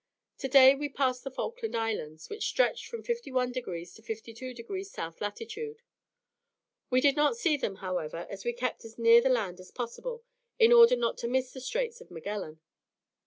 Today we passed the Falkland Islands, which stretched from 51 to 52 degrees South lat. We did not see them, however, as we kept as near the land as possible, in order not to miss the Straits of Magellan.